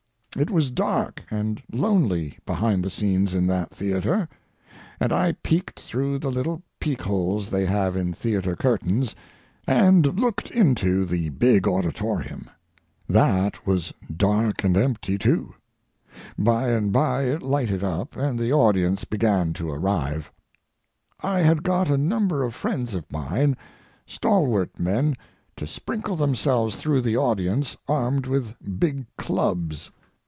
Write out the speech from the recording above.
It was dark and lonely behind the scenes in that theatre, and I peeked through the little peekholes they have in theatre curtains and looked into the big auditorium. That was dark and empty, too. By and by it lighted up, and the audience began to arrive. I had got a number of friends of mine, stalwart men, to sprinkle themselves through the audience armed with big clubs.